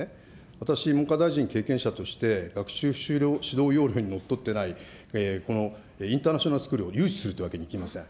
私、文科大臣経験者として、学習指導要領にのっとってないこのインターナショナルスクールを誘致するというわけにはいきません。